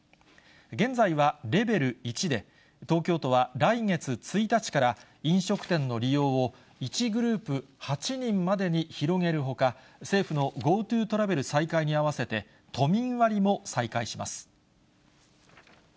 現在はレベル１で、東京都は来月１日から飲食店の利用を、１グループ８人までに広げるほか、政府のＧｏＴｏトラベル再開に合わせて、都民割も再開します。